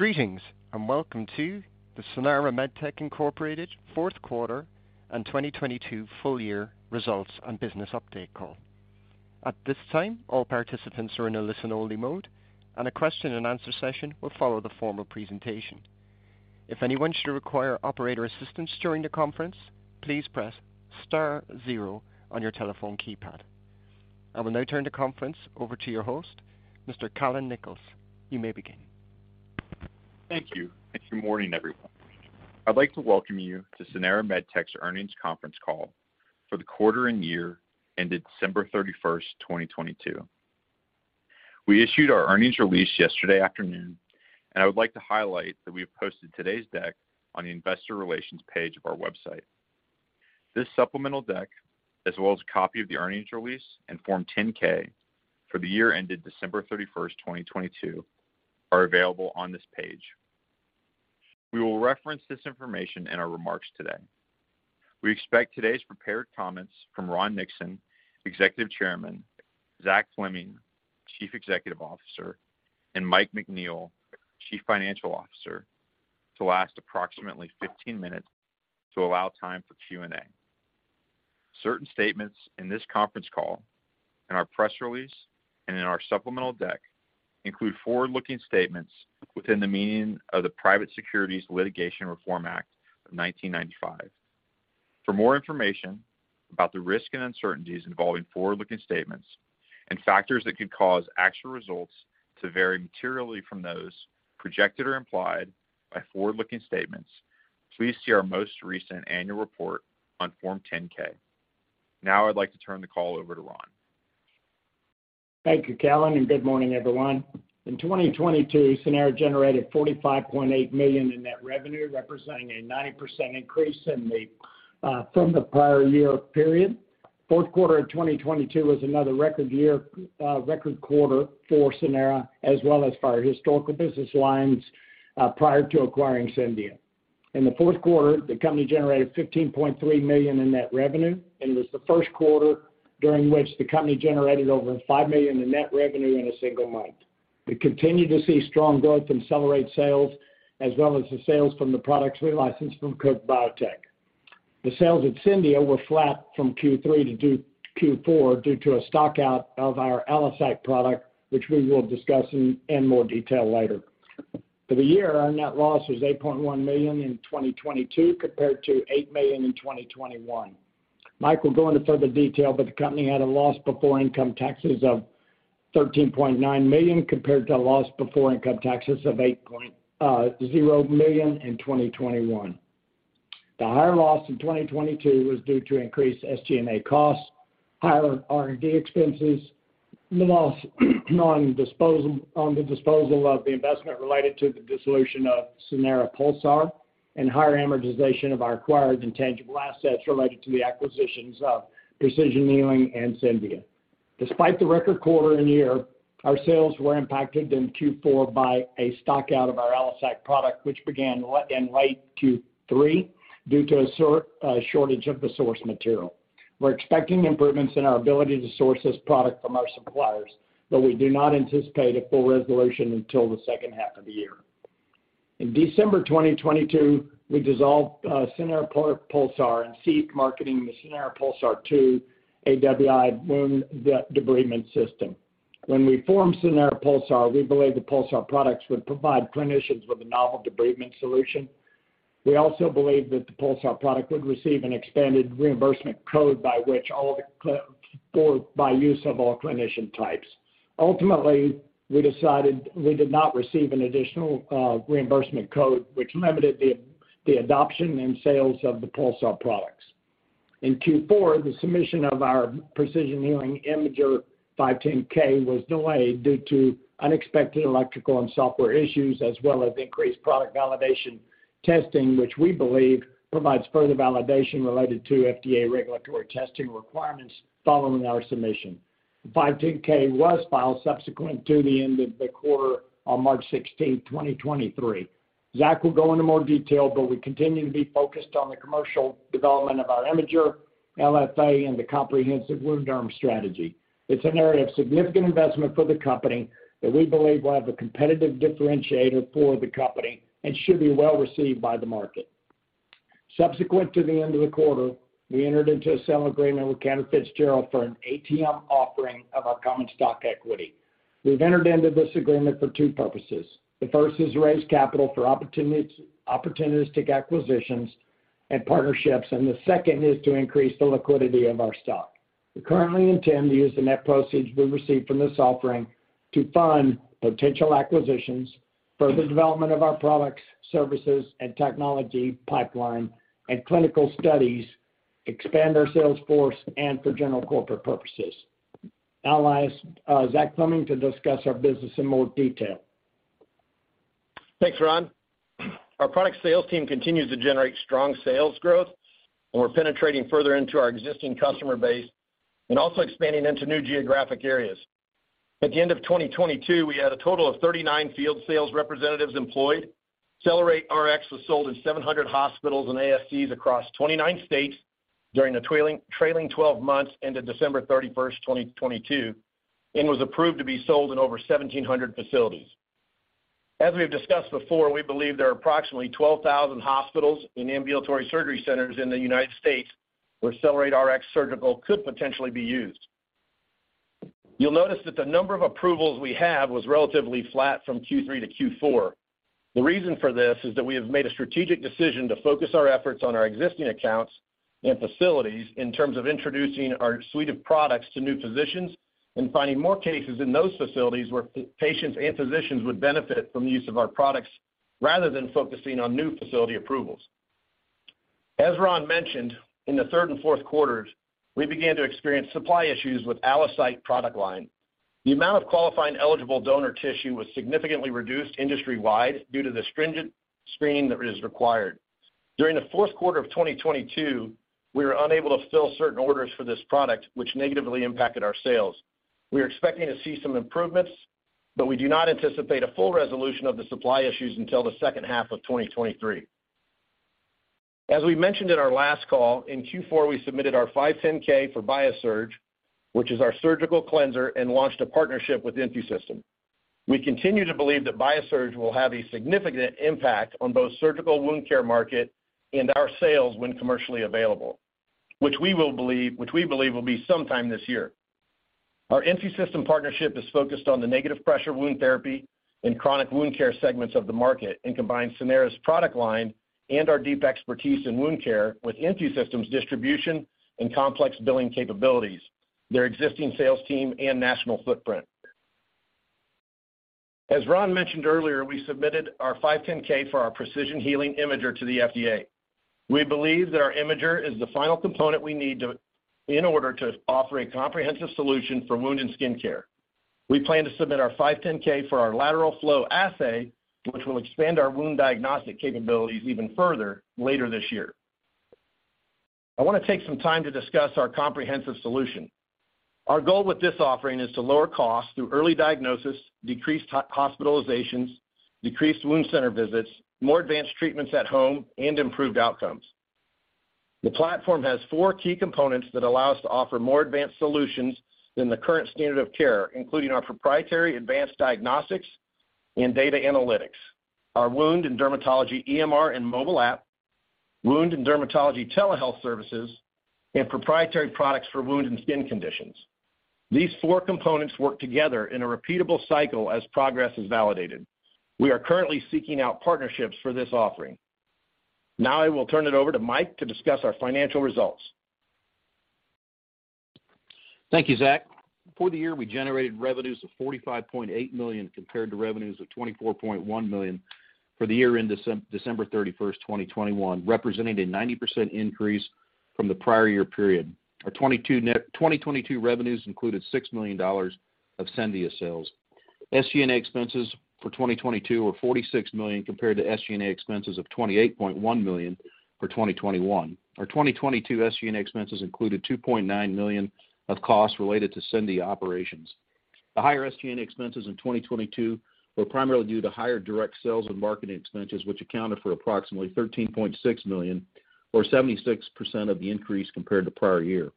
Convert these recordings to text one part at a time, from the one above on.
Greetings, welcome to the Sanara MedTech Inc. fourth quarter and 2022 full year results and business update call. At this time, all participants are in a listen-only mode, and a question and answer session will follow the formal presentation. If anyone should require operator assistance during the conference, please press star zero on your telephone keypad. I will now turn the conference over to your host, Mr. Callon Nichols. You may begin. Thank you. Good morning, everyone. I'd like to welcome you to Sanara MedTech's earnings conference call for the quarter and year ended December 31st, 2022. We issued our earnings release yesterday afternoon, and I would like to highlight that we have posted today's deck on the investor relations page of our website. This supplemental deck, as well as a copy of the earnings release and Form 10-K for the year ended December 31st, 2022, are available on this page. We will reference this information in our remarks today. We expect today's prepared comments from Ron Nixon, Executive Chairman, Zach Fleming, Chief Executive Officer, and Mike McNeil, Chief Financial Officer, to last approximately 15 minutes to allow time for Q&A. Certain statements in this conference call and our press release and in our supplemental deck include forward-looking statements within the meaning of the Private Securities Litigation Reform Act of 1995. For more information about the risk and uncertainties involving forward-looking statements and factors that could cause actual results to vary materially from those projected or implied by forward-looking statements, please see our most recent annual report on Form 10-K. Now I'd like to turn the call over to Ron. Thank you, Callon, good morning, everyone. In 2022, Sanara generated $45.8 million in net revenue, representing a 90% increase in the from the prior year period. Fourth quarter of 2022 was another record year, record quarter for Sanara, as well as for our historical business lines, prior to acquiring Scendia. In the fourth quarter, the company generated $15.3 million in net revenue and was the first quarter during which the company generated over $5 million in net revenue in a single month. We continued to see strong growth in CellerateRX sales as well as the sales from the products we licensed from Cook Biotech. The sales at Scendia were flat from Q3 to Q4 due to a stock out of our ALLOCYTE product, which we will discuss in more detail later. For the year, our net loss was $8.1 million in 2022 compared to $8 million in 2021. Mike McNeil will go into further detail, the company had a loss before income taxes of $13.9 million, compared to a loss before income taxes of $8.0 million in 2021. The higher loss in 2022 was due to increased SG&A costs, higher R&D expenses, loss on the disposal of the investment related to the dissolution of Sanara Pulsar and higher amortization of our acquired intangible assets related to the acquisitions of Precision Healing and Scendia. Despite the record quarter and year, our sales were impacted in Q4 by a stock out of our ALLOCYTE product, which began in late Q3 due to a shortage of the source material. We're expecting improvements in our ability to source this product from our suppliers, but we do not anticipate a full resolution until the second half of the year. In December 2022, we dissolved Sanara Pulsar and ceased marketing the Sanara Pulsar II AWI Wound Debridement System. When we formed Sanara Pulsar, we believed the Pulsar products would provide clinicians with a novel debridement solution. We also believed that the Pulsar product would receive an expanded reimbursement code by use of all clinician types. Ultimately, we decided we did not receive an additional reimbursement code, which limited the adoption and sales of the Pulsar products. In Q4, the submission of our Precision Healing Imager 510(k) was delayed due to unexpected electrical and software issues, as well as increased product validation testing, which we believe provides further validation related to FDA regulatory testing requirements following our submission. The 510(k) was filed subsequent to the end of the quarter on March 16th, 2023. Zach will go into more detail. We continue to be focused on the commercial development of our Imager LFA and the comprehensive WounDerm strategy. It's an area of significant investment for the company that we believe will have a competitive differentiator for the company and should be well-received by the market. Subsequent to the end of the quarter, we entered into a sale agreement with Cantor Fitzgerald for an ATM offering of our common stock equity. We've entered into this agreement for two purposes. The first is to raise capital for opportunities, opportunistic acquisitions and partnerships. The second is to increase the liquidity of our stock. We currently intend to use the net proceeds we receive from this offering to fund potential acquisitions, further development of our products, services and technology pipeline and clinical studies, expand our sales force and for general corporate purposes. Now I'll ask Zach Fleming to discuss our business in more detail. Thanks, Ron. Our product sales team continues to generate strong sales growth, and we're penetrating further into our existing customer base and also expanding into new geographic areas. At the end of 2022, we had a total of 39 field sales representatives employed. CellerateRX was sold in 700 hospitals and ASCs across 29 states during the trailing 12 months into December 31, 2022, and was approved to be sold in over 1,700 facilities. As we have discussed before, we believe there are approximately 12,000 hospitals and ambulatory surgery centers in the United States where CellerateRX Surgical could potentially be used. You'll notice that the number of approvals we have was relatively flat from Q3 to Q4. The reason for this is that we have made a strategic decision to focus our efforts on our existing accounts and facilities in terms of introducing our suite of products to new physicians and finding more cases in those facilities where patients and physicians would benefit from the use of our products rather than focusing on new facility approvals. As Ron mentioned, in the third and fourth quarters, we began to experience supply issues with ALLOCYTE product line. The amount of qualifying eligible donor tissue was significantly reduced industry-wide due to the stringent screening that is required. During the fourth quarter of 2022, we were unable to fill certain orders for this product, which negatively impacted our sales. We are expecting to see some improvements, but we do not anticipate a full resolution of the supply issues until the second half of 2023. As we mentioned in our last call, in Q4, we submitted our 510(k) for BIASURGE, which is our surgical cleanser, and launched a partnership with InfuSystem. We continue to believe that BIASURGE will have a significant impact on both surgical wound care market and our sales when commercially available, which we believe will be sometime this year. Our InfuSystem partnership is focused on the negative pressure wound therapy and chronic wound care segments of the market and combines Sanara's product line and our deep expertise in wound care with InfuSystem's distribution and complex billing capabilities, their existing sales team and national footprint. As Ron mentioned earlier, we submitted our 510(k) for our Precision Healing Imager to the FDA. We believe that our imager is the final component we need in order to offer a comprehensive solution for wound and skin care. We plan to submit our 510(k) for our lateral flow assay, which will expand our wound diagnostic capabilities even further later this year. I wanna take some time to discuss our comprehensive solution. Our goal with this offering is to lower costs through early diagnosis, decreased hospitalizations, decreased wound center visits, more advanced treatments at home, and improved outcomes. The platform has four key components that allow us to offer more advanced solutions than the current standard of care, including our proprietary advanced diagnostics and data analytics, our wound and dermatology EMR and mobile app, wound and dermatology telehealth services, and proprietary products for wound and skin conditions. These four components work together in a repeatable cycle as progress is validated. We are currently seeking out partnerships for this offering. Now, I will turn it over to Mike to discuss our financial results. Thank you, Zach. For the year, we generated revenues of $45.8 million compared to revenues of $24.1 million for the year-end December 31, 2021, representing a 90% increase from the prior year period. Our 2022 revenues included $6 million of Scendia sales. SG&A expenses for 2022 were $46 million compared to SG&A expenses of $28.1 million for 2021. Our 2022 SG&A expenses included $2.9 million of costs related to Scendia operations. The higher SG&A expenses in 2022 were primarily due to higher direct sales and marketing expenses, which accounted for approximately $13.6 million or 76% of the increase compared to prior year.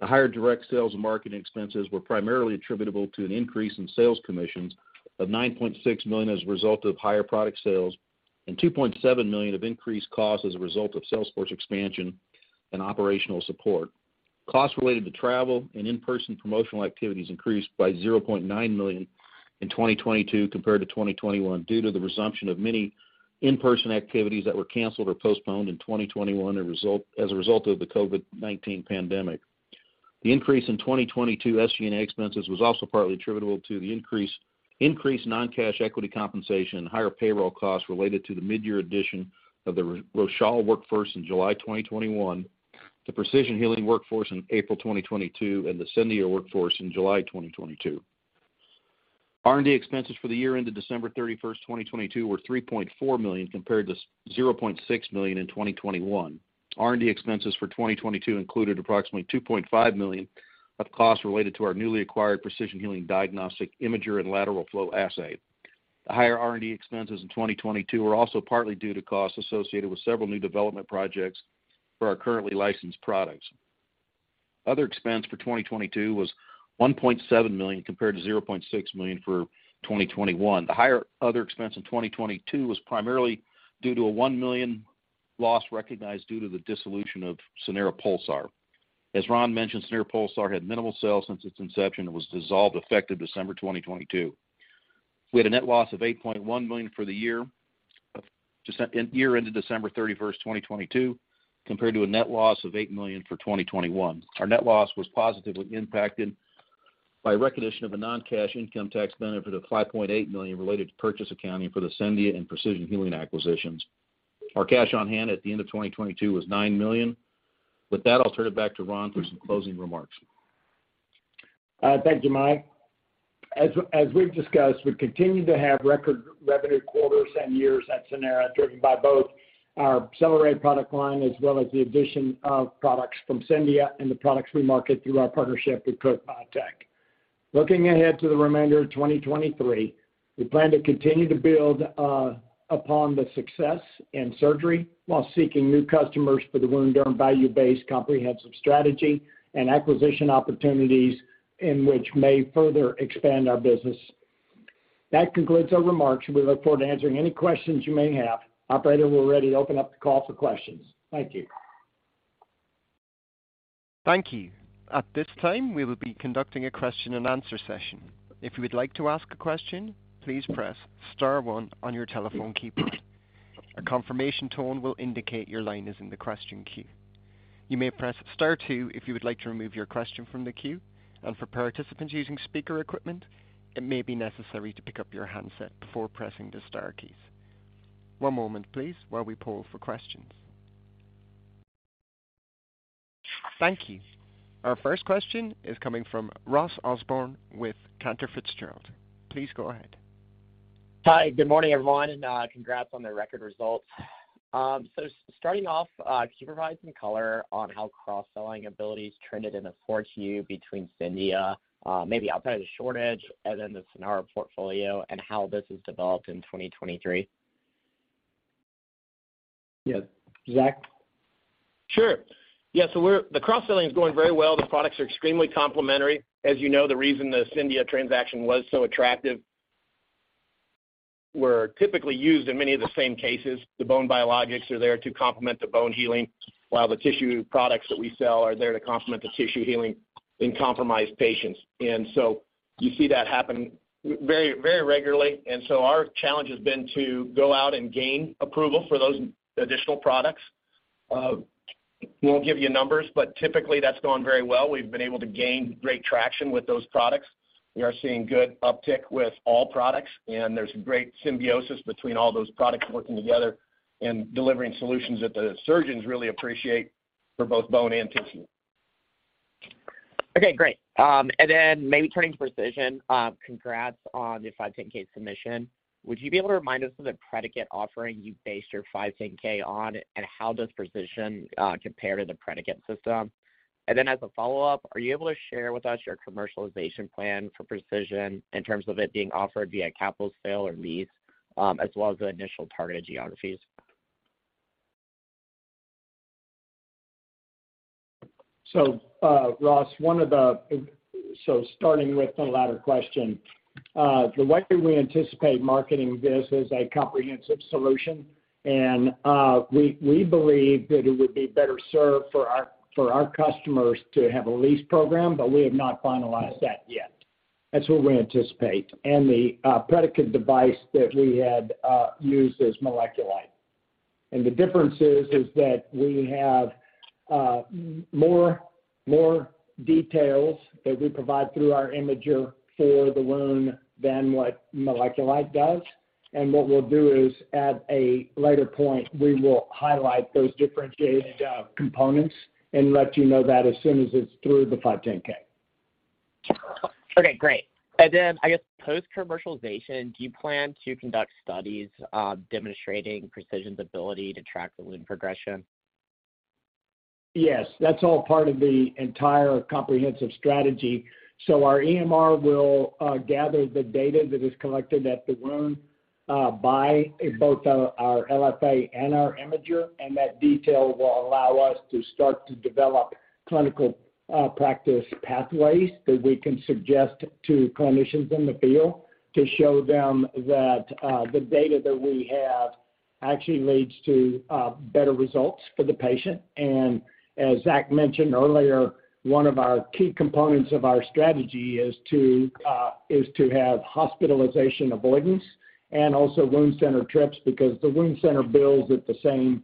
The higher direct sales and marketing expenses were primarily attributable to an increase in sales commissions of $9.6 million as a result of higher product sales and $2.7 million of increased costs as a result of sales force expansion and operational support. Costs related to travel and in-person promotional activities increased by $0.9 million in 2022 compared to 2021 due to the resumption of many in-person activities that were canceled or postponed in 2021 as a result of the COVID-19 pandemic. The increase in 2022 SG&A expenses was also partly attributable to the increased non-cash equity compensation and higher payroll costs related to the midyear addition of the Rochal workforce in July 2021, the Precision Healing workforce in April 2022, and the Scendia workforce in July 2022. R&D expenses for the year ended December 31, 2022 were $3.4 million compared to $0.6 million in 2021. R&D expenses for 2022 included approximately $2.5 million of costs related to our newly acquired Precision Healing Imager and lateral flow assay. The higher R&D expenses in 2022 were also partly due to costs associated with several new development projects for our currently licensed products. Other expense for 2022 was $1.7 million compared to $0.6 million for 2021. The higher other expense in 2022 was primarily due to a $1 million loss recognized due to the dissolution of Sanara Pulsar. As Ron mentioned, Sanara Pulsar had minimal sales since its inception and was dissolved effective December 2022. We had a net loss of $8.1 million for the year ended December 31st, 2022, compared to a net loss of $8 million for 2021. Our net loss was positively impacted by recognition of a non-cash income tax benefit of $5.8 million related to purchase accounting for the Scendia and Precision Healing acquisitions. Our cash on hand at the end of 2022 was $9 million. With that, I'll turn it back to Ron for some closing remarks. Thank you, Mike. As we've discussed, we continue to have record revenue quarters and years at Sanara, driven by both our CellerateRX product line as well as the addition of products from Scendia and the products we market through our partnership with Cook Biotech. Looking ahead to the remainder of 2023, we plan to continue to build upon the success in surgery while seeking new customers for the WounDerm value-based comprehensive strategy and acquisition opportunities in which may further expand our business. That concludes our remarks. We look forward to answering any questions you may have. Operator, we're ready to open up the call for questions. Thank you. Thank you. At this time, we will be conducting a question-and-answer session. If you would like to ask a question, please press star one on your telephone keypad. A confirmation tone will indicate your line is in the question queue. You may press star two if you would like to remove your question from the queue. For participants using speaker equipment, it may be necessary to pick up your handset before pressing the star keys. One moment, please, while we poll for questions. Thank you. Our first question is coming from Ross Osborn with Cantor Fitzgerald. Please go ahead. Hi, good morning, everyone, and congrats on the record results. Starting off, can you provide some color on how cross-selling abilities trended in the Q4 between Scendia, maybe outside of the shortage and then the Sanara portfolio and how this has developed in 2023? Yeah, Zach? Sure. Yeah. The cross-selling is going very well. The products are extremely complementary. As you know, the reason the Scendia transaction was so attractive were typically used in many of the same cases. The bone biologics are there to complement the bone healing, while the tissue products that we sell are there to complement the tissue healing in compromised patients. You see that happen very, very regularly. Our challenge has been to go out and gain approval for those additional products. We won't give you numbers, but typically that's gone very well. We've been able to gain great traction with those products. We are seeing good uptick with all products, and there's great symbiosis between all those products working together and delivering solutions that the surgeons really appreciate for both bone and tissue. Okay, great. Maybe turning to Precision. Congrats on the 510(k) submission. Would you be able to remind us of the predicate offering you based your 510(k) on, and how does Precision compare to the predicate system? As a follow-up, are you able to share with us your commercialization plan for Precision in terms of it being offered via capital sale or lease, as well as the initial targeted geographies? Ross, starting with the latter question, the way that we anticipate marketing this is a comprehensive solution. We believe that it would be better served for our customers to have a lease program, but we have not finalized that yet. That's what we anticipate. The predicate device that we had used is MolecuLight. The difference is that we have more details that we provide through our imager for the wound than what MolecuLight does. What we'll do is, at a later point, we will highlight those differentiated components and let you know that as soon as it's through the 510(k). Okay, great. Then I guess post-commercialization, do you plan to conduct studies demonstrating Precision's ability to track the wound progression? Yes. That's all part of the entire comprehensive strategy. Our EMR will gather the data that is collected at the wound by both our LFA and our Imager, and that detail will allow us to start to develop clinical practice pathways that we can suggest to clinicians in the field to show them that the data that we have actually leads to better results for the patient. As Zach mentioned earlier, one of our key components of our strategy is to have hospitalization avoidance and also wound center trips, because the wound center bills at the same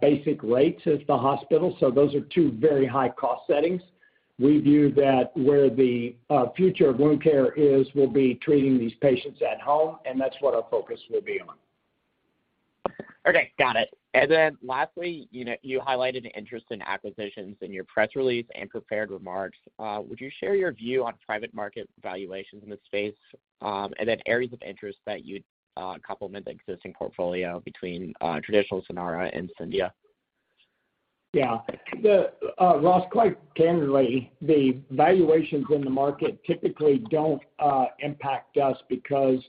basic rates as the hospital. Those are two very high-cost settings. We view that where the future of wound care is, will be treating these patients at home, and that's what our focus will be on. Okay, got it. Lastly, you know, you highlighted interest in acquisitions in your press release and prepared remarks. Would you share your view on private market valuations in this space, and then areas of interest that you'd complement the existing portfolio between traditional Sanara and Scendia? Yeah. The Ross, quite candidly, the valuations in the market typically don't impact us because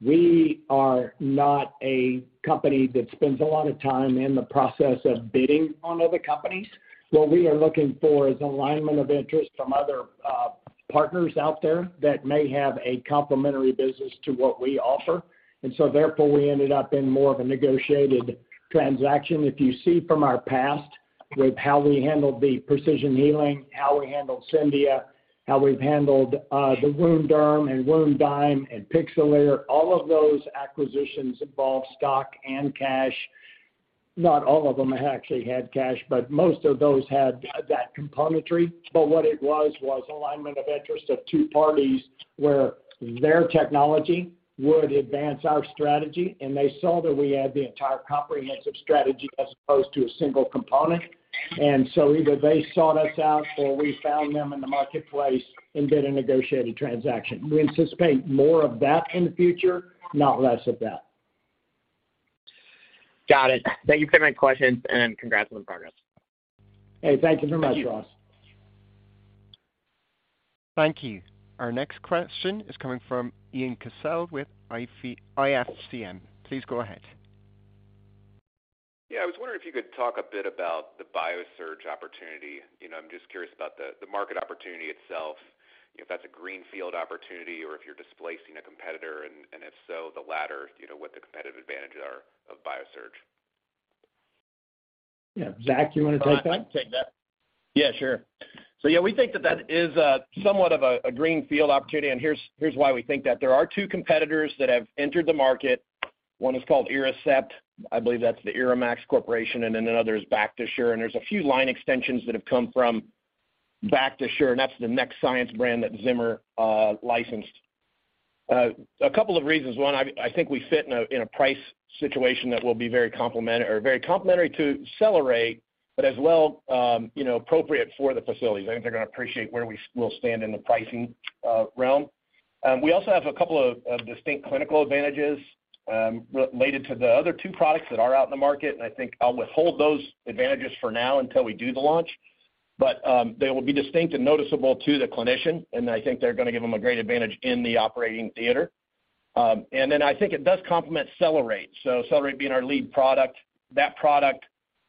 we are not a company that spends a lot of time in the process of bidding on other companies. What we are looking for is alignment of interest from other partners out there that may have a complementary business to what we offer. Therefore, we ended up in more of a negotiated transaction. If you see from our past with how we handled the Precision Healing, how we handled Scendia, how we've handled the WounDerm and WounDerm and Pixalere, all of those acquisitions involve stock and cash. Not all of them actually had cash, but most of those had that componentry. What it was alignment of interest of two parties where their technology would advance our strategy. They saw that we had the entire comprehensive strategy as opposed to a single component. Either they sought us out or we found them in the marketplace and did a negotiated transaction. We anticipate more of that in the future, not less of that. Got it. Thank you for my questions and congrats on the progress. Hey, thank you very much, Ross. Thank you. Thank you. Our next question is coming from Ian Cassel with Intelligent Fanatics. Please go ahead. Yeah. I was wondering if you could talk a bit about the BIASURGE opportunity. You know, I'm just curious about the market opportunity itself, if that's a greenfield opportunity or if you're displacing a competitor, and if so, the latter, you know, what the competitive advantages are of BIASURGE. Yeah. Zach, you wanna take that? I can take that. Yeah, sure. Yeah, we think that that is somewhat of a greenfield opportunity, and here's why we think that. There are two competitors that have entered the market. One is called Irrisept. I believe that's the Irrimax Corporation, and then another is BACTISURE. There's a few line extensions that have come from BACTISURE, and that's the Next Science brand that Zimmer licensed. A couple of reasons. One, I think we fit in a price situation that will be very complementary to CellerateRX, but as well, you know, appropriate for the facilities. I think they're gonna appreciate where we will stand in the pricing realm. We also have a couple of distinct clinical advantages related to the other two products that are out in the market, and I think I'll withhold those advantages for now until we do the launch. They will be distinct and noticeable to the clinician, and I think they're gonna give them a great advantage in the operating theater. I think it does complement CellerateRX. CellerateRX being our lead product, that product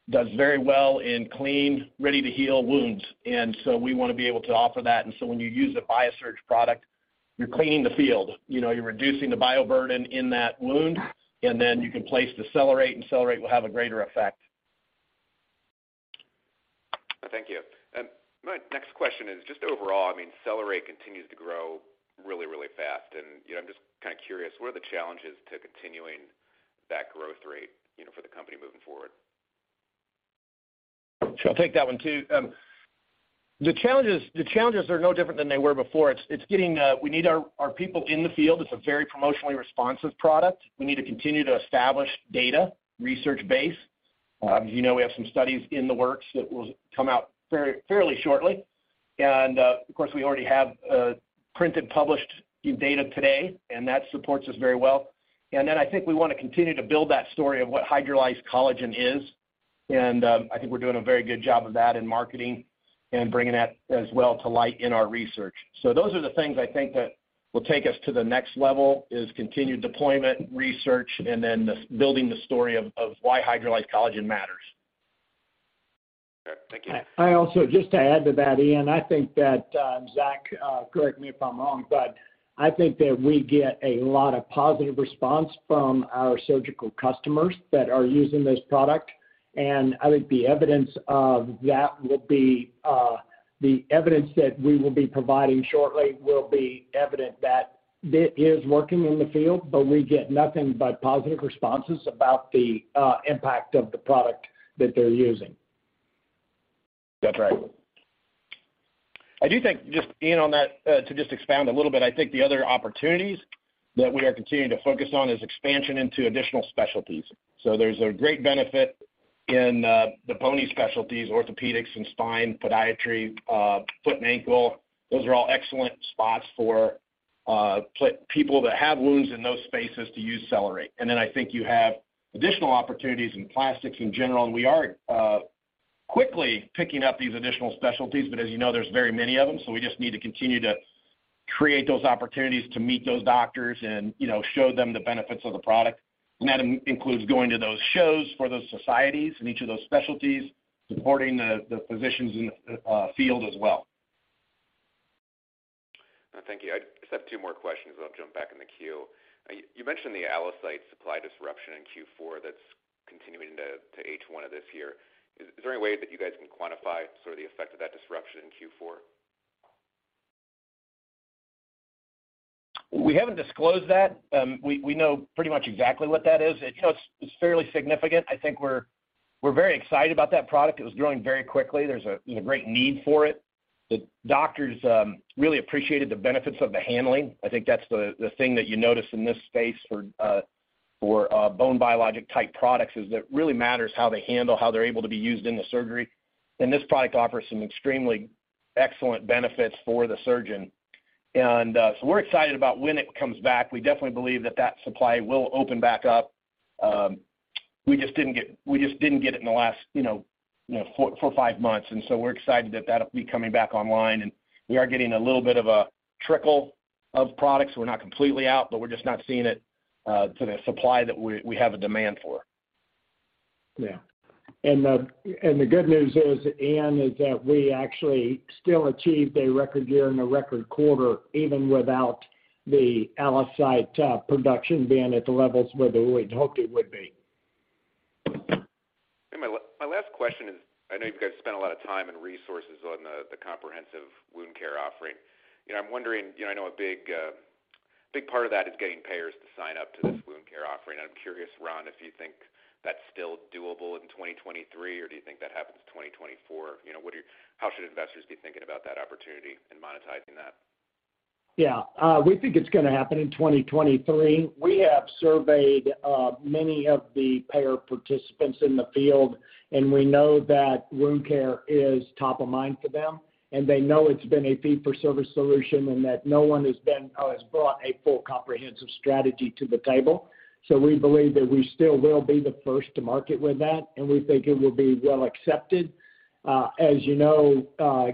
does very well in clean, ready to heal wounds. We wanna be able to offer that. When you use a BIASURGE product, you're cleaning the field. You know, you're reducing the bioburden in that wound. You can place the CellerateRX, and CellerateRX will have a greater effect. Thank you. My next question is just overall, I mean, CellerateRX continues to grow really, really fast. You know, I'm just kinda curious, what are the challenges to continuing that growth rate, you know, for the company moving forward? Sure. I'll take that one too. The challenges are no different than they were before. It's getting, we need our people in the field. It's a very promotionally responsive product. We need to continue to establish data, research base. As you know, we have some studies in the works that will come out fairly shortly. Of course, we already have printed, published data today, and that supports us very well. I think we wanna continue to build that story of what hydrolyzed collagen is. I think we're doing a very good job of that in marketing and bringing that as well to light in our research. Those are the things I think that will take us to the next level is continued deployment, research, and then the building the story of why hydrolyzed collagen matters. Sure. Thank you. I also just to add to that, Ian, I think that, Zach, correct me if I'm wrong, but I think that we get a lot of positive response from our surgical customers that are using this product. I think the evidence of that will be, the evidence that we will be providing shortly will be evident that it is working in the field. We get nothing but positive responses about the impact of the product that they're using. That's right. I do think just being on that, to just expand a little bit, I think the other opportunities that we are continuing to focus on is expansion into additional specialties. There's a great benefit in the bony specialties, orthopedics and spine, podiatry, foot and ankle. Those are all excellent spots for people that have wounds in those spaces to use CellerateRX. I think you have additional opportunities in plastics in general, and we are quickly picking up these additional specialties. As you know, there's very many of them, so we just need to continue to create those opportunities to meet those doctors and, you know, show them the benefits of the product. That includes going to those shows for those societies in each of those specialties, supporting the physicians in the field as well. Thank you. I just have two more questions, and I'll jump back in the queue. You mentioned the ALLOCYTE supply disruption in Q4 that's continuing to H1 of this year. Is there any way that you guys can quantify sort of the effect of that disruption in Q4? We haven't disclosed that. We know pretty much exactly what that is. You know, it's fairly significant. I think we're very excited about that product. It was growing very quickly. There's a, you know, great need for it. The doctors really appreciated the benefits of the handling. I think that's the thing that you notice in this space for for bone biologic type products is it really matters how they handle, how they're able to be used in the surgery. This product offers some extremely excellent benefits for the surgeon. We're excited about when it comes back. We definitely believe that that supply will open back up. We just didn't get it in the last, you know, four, five months, we're excited that that'll be coming back online. We are getting a little bit of a trickle of products. We're not completely out, but we're just not seeing it, to the supply that we have a demand for. Yeah. The good news is, Ian, is that we actually still achieved a record year and a record quarter even without the ALLOCYTE production being at the levels where we'd hoped it would be. My last question is, I know you guys spent a lot of time and resources on the comprehensive wound care offering. I'm wondering, you know, I know a big part of that is getting payers to sign up to this wound care offering. I'm curious, Ron, if you think that's still doable in 2023, or do you think that happens 2024? How should investors be thinking about that opportunity and monetizing that? Yeah, we think it's gonna happen in 2023. We have surveyed many of the payer participants in the field, we know that wound care is top of mind for them. They know it's been a fee for service solution and that no one has brought a full comprehensive strategy to the table. We believe that we still will be the first to market with that, and we think it will be well accepted. As you know,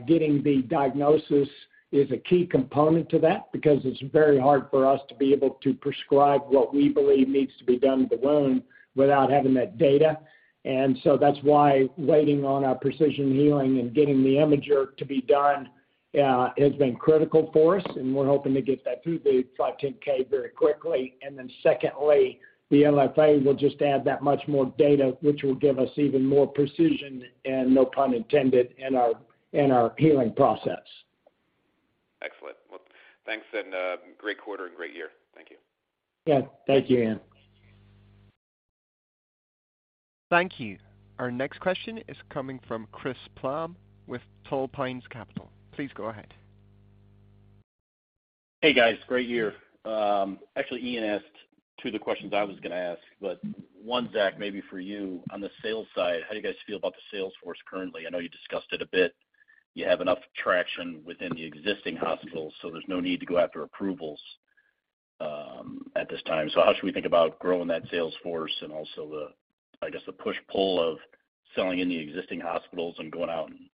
getting the diagnosis is a key component to that because it's very hard for us to be able to prescribe what we believe needs to be done with the wound without having that data. That's why waiting on our Precision Healing and getting the Imager to be done has been critical for us, and we're hoping to get that through the 510(k) very quickly. Secondly, the LFA will just add that much more data, which will give us even more precision and no pun intended in our healing process. Excellent. Well, thanks and, great quarter and great year. Thank you. Yeah. Thank you, Ian. Thank you. Our next question is coming from Chris Plahm with Tall Pines Capital. Please go ahead. Hey, guys. Great year. actually, Ian asked two of the questions I was gonna ask. one, Zach, maybe for you. On the sales side, how do you guys feel about the sales force currently? I know you discussed it a bit. You have enough traction within the existing hospitals, so there's no need to go after approvals, at this time. How should we think about growing that sales force and also the, I guess, the push-pull of selling in the existing hospitals and going out and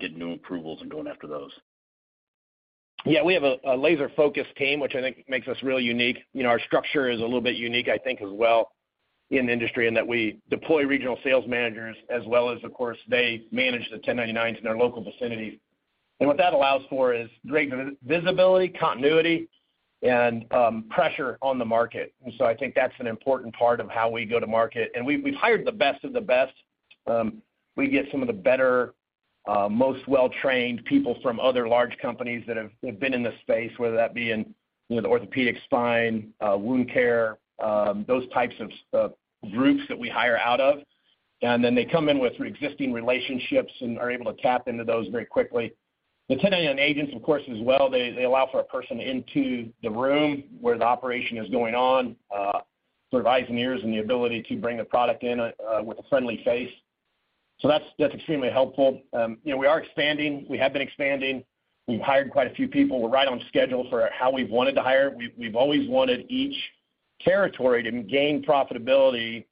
getting new approvals and going after those? Yeah. We have a laser-focused team, which I think makes us really unique. You know, our structure is a little bit unique, I think, as well in the industry, and that we deploy regional sales managers as well as, of course, they manage the 1099s in their local vicinity. What that allows for is great visibility, continuity, and pressure on the market. I think that's an important part of how we go to market. We've hired the best of the best. We get some of the better, most well-trained people from other large companies that have been in the space, whether that be in, you know, the orthopedic spine, wound care, those types of groups that we hire out of. Then they come in with existing relationships and are able to tap into those very quickly. The 1099s agents, of course, as well, they allow for a person into the room where the operation is going on, sort of eyes and ears and the ability to bring the product in with a friendly face. That's extremely helpful. You know, we are expanding. We have been expanding. We've hired quite a few people. We're right on schedule for how we wanted to hire. We've always wanted each territory to gain profitability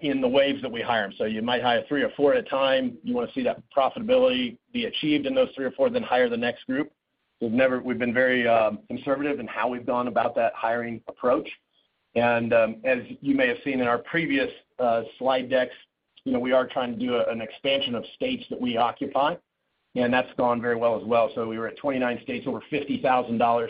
in the waves that we hire. You might hire three or four at a time. You wanna see that profitability be achieved in those three or four, hire the next group. We've been very conservative in how we've gone about that hiring approach. As you may have seen in our previous slide decks, you know, we are trying to do an expansion of states that we occupy, and that's gone very well as well. We were at 29 states, over $50,000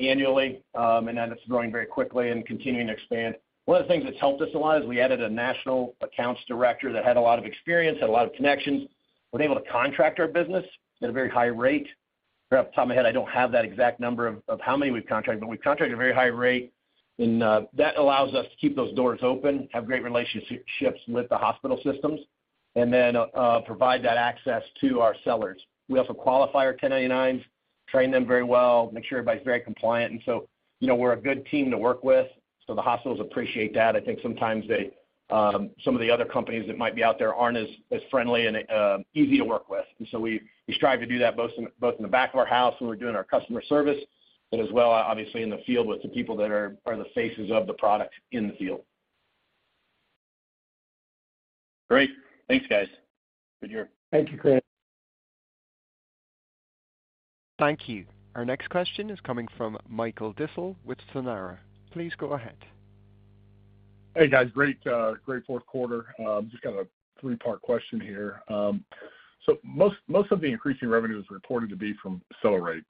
annually, and then it's growing very quickly and continuing to expand. One of the things that's helped us a lot is we added a national accounts director that had a lot of experience, had a lot of connections, was able to contract our business at a very high rate. Right off the top of my head, I don't have that exact number of how many we've contracted, but we've contracted a very high rate and that allows us to keep those doors open, have great relationships with the hospital systems, and then provide that access to our sellers. We also qualify our 1099s, train them very well, make sure everybody's very compliant. You know, we're a good team to work with, so the hospitals appreciate that. I think sometimes they, some of the other companies that might be out there aren't as friendly and easy to work with. We, we strive to do that both in the back of our house when we're doing our customer service, but as well, obviously in the field with the people that are the faces of the product in the field. Great. Thanks, guys. Good year. Thank you, Chris. Thank you. Our next question is coming from Michael Disalle with Sanara. Please go ahead. Hey, guys. Great fourth quarter. Just got a three-part question here. Most of the increasing revenue is reported to be from CellerateRX,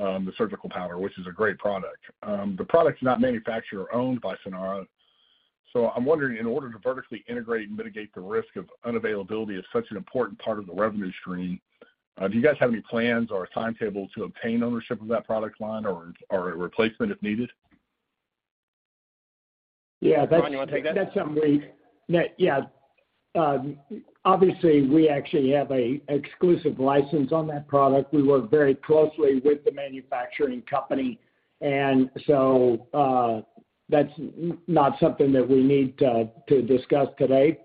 the surgical powder, which is a great product. The product is not manufactured or owned by Sanara. I'm wondering, in order to vertically integrate and mitigate the risk of unavailability as such an important part of the revenue stream, do you guys have any plans or a timetable to obtain ownership of that product line or a replacement if needed? Yeah. Brian, you wanna take that? That's something we. Yeah. Obviously, we actually have a exclusive license on that product. We work very closely with the manufacturing company. That's not something that we need to discuss today.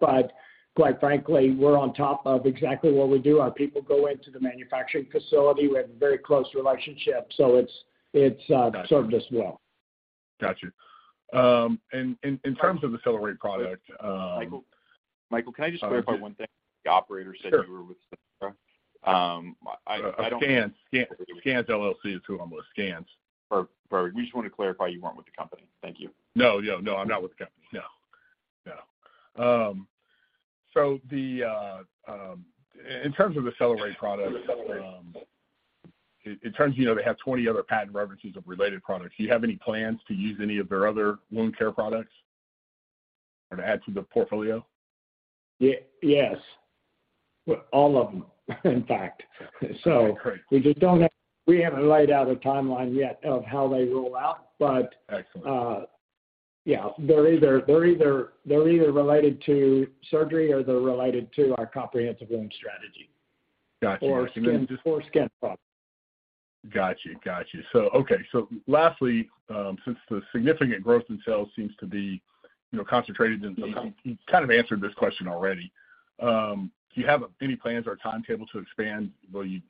Quite frankly, we're on top of exactly what we do. Our people go into the manufacturing facility. We have a very close relationship, so it's served us well. Got you. In terms of the CellerateRX product. Michael, can I just clarify one thing? Sure. The operator said you were with Sanara. I don't- Scans. Scans LLC is who I'm with. Scans. Perfect. We just wanted to clarify you weren't with the company. Thank you. No, yeah, no, I'm not with the company. No. No. In terms of the CellerateRX product, in terms, you know, they have 20 other patent references of related products. Do you have any plans to use any of their other wound care products or to add to the portfolio? Yes. All of them, in fact. Okay, great. we haven't laid out a timeline yet of how they roll out. Excellent They're either related to surgery or they're related to our comprehensive wound strategy. Got you. skin, or skin problems. Got you. Got you. Okay. Lastly, since the significant growth in sales seems to be, you know, concentrated in you kind of answered this question already. Do you have any plans or timetable to expand? Well, you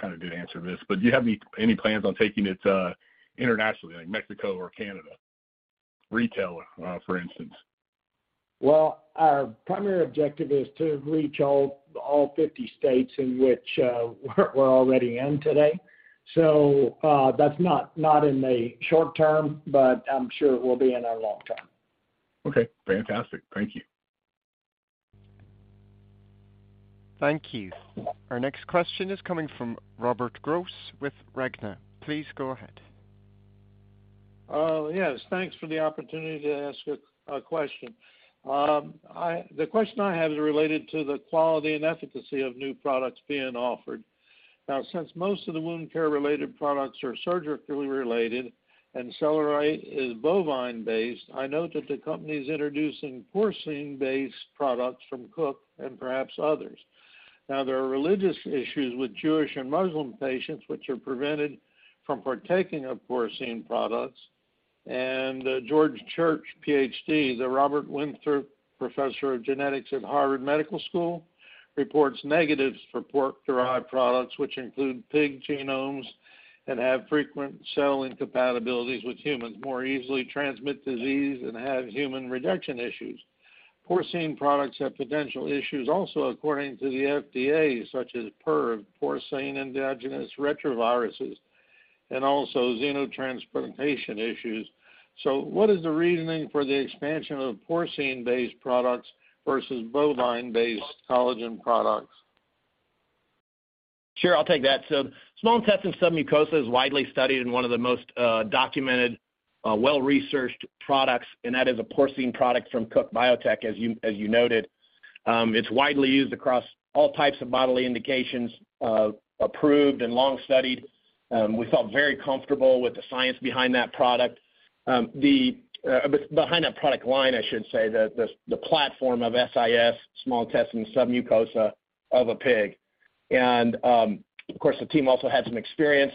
kind of did answer this, but do you have any plans on taking it internationally, like Mexico or Canada? Retail, for instance. Well, our primary objective is to reach all 50 states in which we're already in today. That's not in the short term, but I'm sure it will be in our long term. Okay, fantastic. Thank you. Thank you. Our next question is coming from Robert Gross with Regner. Please go ahead. Yes, thanks for the opportunity to ask a question. The question I have is related to the quality and efficacy of new products being offered. Since most of the wound care related products are surgically related and Cellerate is bovine-based, I note that the company is introducing porcine-based products from Cook and perhaps others. There are religious issues with Jewish and Muslim patients, which are prevented from partaking of porcine products. George Church, PhD, the Robert Winthrop Professor of Genetics at Harvard Medical School, reports negatives for pork-derived products, which include pig genomes and have frequent cell incompatibilities with humans, more easily transmit disease and have human reduction issues. Porcine products have potential issues also according to the FDA, such as PERV, porcine endogenous retroviruses, and also xenotransplantation issues. What is the reasoning for the expansion of porcine-based products versus bovine-based collagen products? Sure, I'll take that. Small intestinal submucosa is widely studied and one of the most documented, well-researched products, and that is a porcine product from Cook Biotech as you noted. It's widely used across all types of bodily indications, approved and long studied. We felt very comfortable with the science behind that product. The behind that product line, I should say, the platform of SIS, small intestinal submucosa of a pig. Of course, the team also had some experience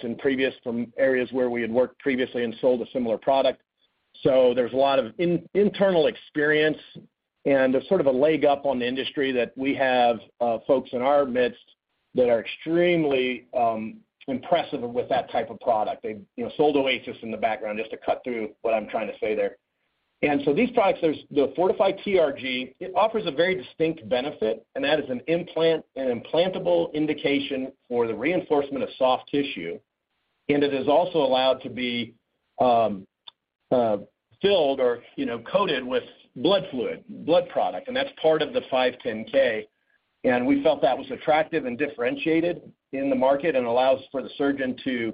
from areas where we had worked previously and sold a similar product. There's a lot of internal experience and a sort of a leg up on the industry that we have, folks in our midst that are extremely impressive with that type of product. They, you know, sold OASIS in the background just to cut through what I'm trying to say there. These products, there's the FORTIFY TRG. It offers a very distinct benefit, and that is an implantable indication for the reinforcement of soft tissue. It is also allowed to be filled or, you know, coated with blood fluid, blood product, and that's part of the 510(k). We felt that was attractive and differentiated in the market and allows for the surgeon to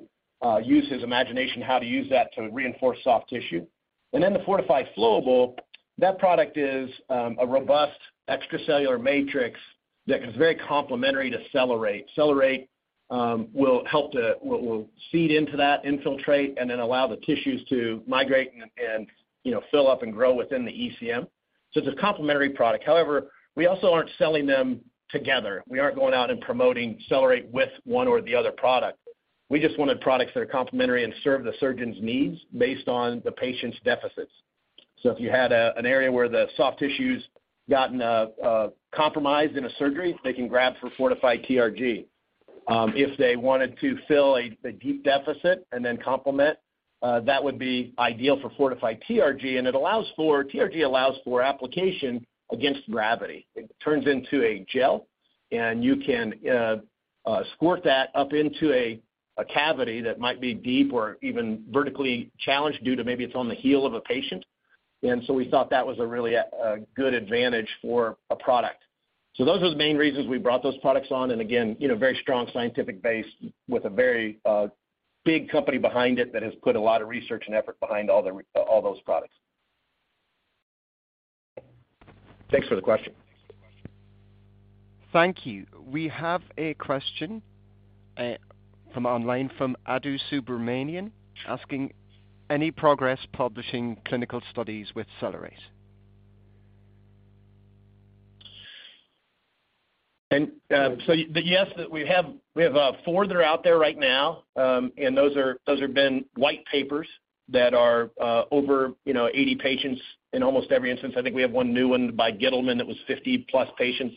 use his imagination how to use that to reinforce soft tissue. The FORTIFY FLOWABLE, that product is a robust extracellular matrix that is very complimentary to CellerateRX. CellerateRX will seed into that infiltrate and then allow the tissues to migrate and, you know, fill up and grow within the ECM. It's a complementary product. However, we also aren't selling them together. We aren't going out and promoting Cellerate with one or the other product. We just wanted products that are complimentary and serve the surgeon's needs based on the patient's deficits. If you had an area where the soft tissue's gotten compromised in a surgery, they can grab for FORTIFY TRG. If they wanted to fill a deep deficit and then complement, that would be ideal for FORTIFY TRG. TRG allows for application against gravity. It turns into a gel, and you can squirt that up into a cavity that might be deep or even vertically challenged due to maybe it's on the heel of a patient. We thought that was a really good advantage for a product. Those are the main reasons we brought those products on. Again, you know, very strong scientific base with a very, big company behind it that has put a lot of research and effort behind all those products. Thanks for the question. Thank you. We have a question, from online from Adu Subramanian asking, "Any progress publishing clinical studies with Cellerate? Yes, we have four that are out there right now. Those are, those have been white papers that are over, you know, 80 patients in almost every instance. I think we have one new one by Gitelman that was 50+ patients.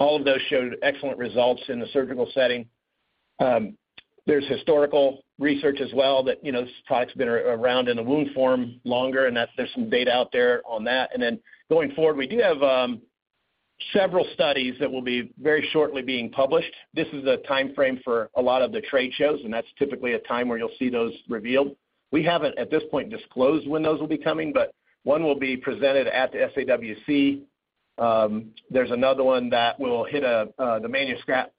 All of those showed excellent results in a surgical setting. There's historical research as well that, you know, this product's been around in a wound form longer, and that's there's some data out there on that. Then going forward, we do have several studies that will be very shortly being published. This is a timeframe for a lot of the trade shows, and that's typically a time where you'll see those revealed. We haven't at this point disclosed when those will be coming, but one will be presented at the SAWC. There's another one that will hit the manuscript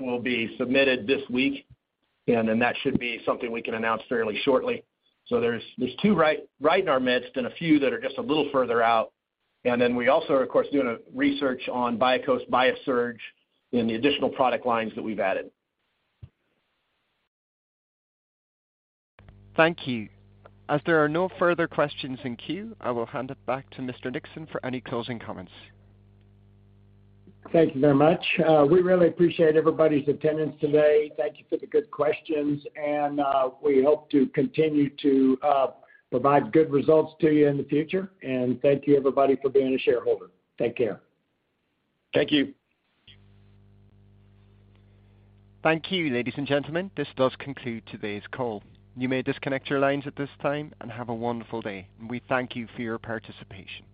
will be submitted this week. That should be something we can announce fairly shortly. There's two right in our midst and a few that are just a little further out. We also are, of course, doing a research on BIASURGE and the additional product lines that we've added. Thank you. As there are no further questions in queue, I will hand it back to Mr. Nixon for any closing comments. Thank you very much. We really appreciate everybody's attendance today. Thank you for the good questions, and we hope to continue to provide good results to you in the future. Thank you, everybody, for being a shareholder. Take care. Thank you. Thank you, ladies and gentlemen. This does conclude today's call. You may disconnect your lines at this time and have a wonderful day. We thank you for your participation.